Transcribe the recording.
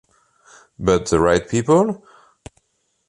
But the right people?